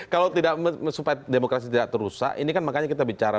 kalau tidak supaya demokrasi tidak terusak ini kan makanya kita bicara